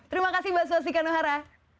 terima kasih mbak swastika nuhara